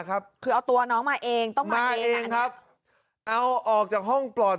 คือเอาตัวน้องมาเองต้องมาเองครับเอาออกจากห้องปลอด